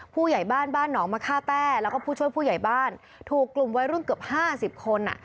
ผู้ใหญ่บ้านบ้านหนองมะค่าแต้แล้วก็ผู้ช่วยผู้ใหญ่บ้านถูกกลุ่มวัยรุ่นเกือบห้าสิบคนอ่ะ